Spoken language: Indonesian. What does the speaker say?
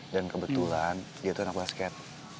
dan kebetulan dia tuh anak basket